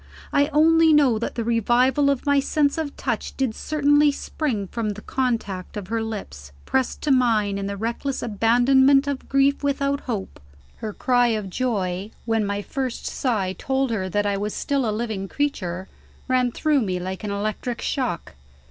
I only know that the revival of my sense of touch did certainly spring from the contact of her lips, pressed to mine in the reckless abandonment of grief without hope. Her cry of joy, when my first sigh told her that I was still a living creature, ran through me like an electric shock.